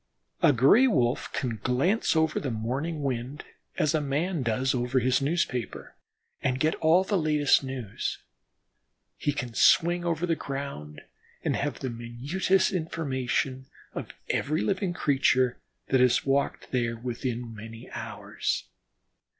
A Gray wolf can glance over the morning wind as a man does over his newspaper, and get all the latest news. He can swing over the ground and have the minutest information of every living creature that has walked there within many hours.